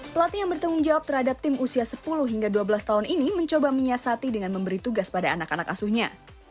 pelatih yang bertanggung jawab terhadap tim usia sepuluh hingga dua belas tahun ini mencoba menyiasati dengan memberi tugas pada anak anak asuhnya